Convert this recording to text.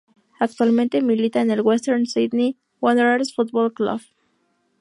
Actualmente milita en el Western Sydney Wanderers Football Club.